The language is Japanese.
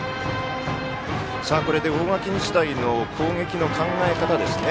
これで大垣日大の攻撃の考え方ですね。